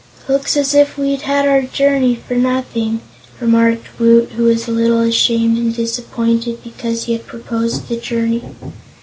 "Looks as if we'd had our journey for nothing," remarked Woot, who was a little ashamed and disappointed because he had proposed the journey.